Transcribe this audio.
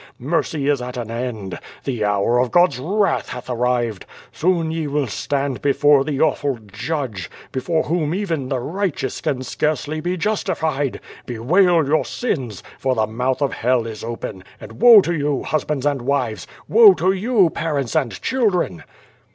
Mercy is at an end. The hour of God's wrath hath aN^iyed. Soon ye will stand before the awful Judge, before whohi even the righteous can scarcely be justified. Bewail your iins, for the mouth of Hell is open, and woe to you, hus bands and wives! Woe to you, parents and children."